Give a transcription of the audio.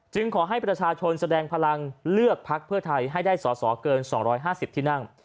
ขอให้ประชาชนแสดงพลังเลือกพักเพื่อไทยให้ได้สอสอเกิน๒๕๐ที่นั่ง